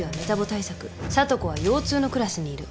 聡子は腰痛のクラスにいる。